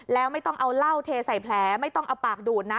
แล้วไม่ต้องเอาเหล้าเทใส่แผลไม่ต้องเอาปากดูดนะ